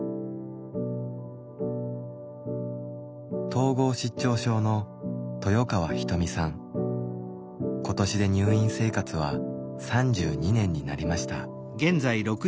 統合失調症の今年で入院生活は３２年になりました。